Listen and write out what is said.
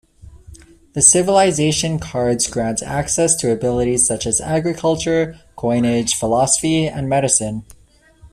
The civilization cards grant access to abilities such as agriculture, coinage, philosophy and medicine.